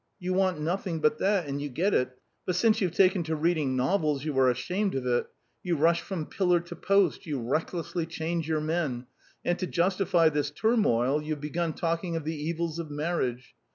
You want nothing but that, and you get it; but since you've taken to reading novels you are ashamed of it: you rush from pillar to post, you recklessly change your men, and to justify this turmoil you have begun talking of the evils of marriage.